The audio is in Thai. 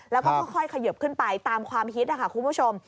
แล้วก็ค่อยเขยิบขึ้นไปตามความฮิตนะคะคุณผู้ชม